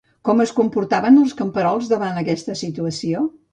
Com es comportaven els camperols davant aquesta situació?